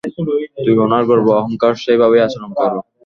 তুই ওনার গর্ব, অহংকার, সেইভাবেই আচরণ কর।